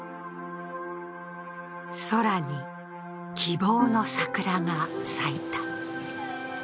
空に希望の桜が咲いた。